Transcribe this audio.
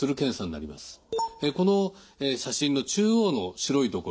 この写真の中央の白い所